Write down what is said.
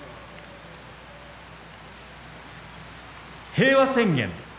平和宣言。